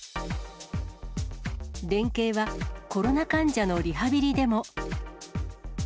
連携は、コロナ患者のリハビリでも。